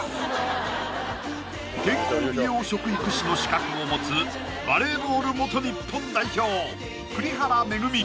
健康美容食育士の資格を持つバレーボール日本代表栗原恵